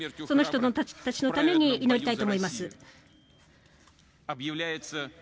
その人たちのために祈りたいと思います。